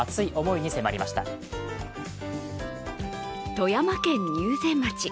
富山県入善町。